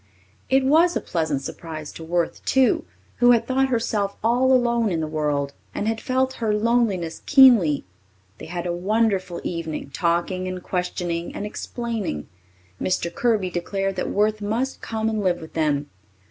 It was a pleasant surprise to Worth, too, who had thought herself all alone in the world and had felt her loneliness keenly. They had a wonderful evening, talking and questioning and explaining. Mr. Kirby declared that Worth must come and live with them.